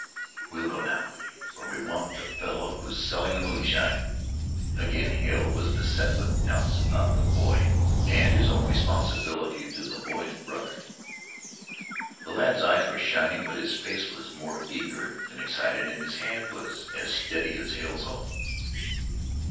"We'll go now for we want the fellow who's selling the moonshine." Again Hale was beset with doubts about the boy and his own responsibility to the boy's brothers. The lad's eyes were shining, but his face was more eager than excited and his hand was as steady as Hale's own.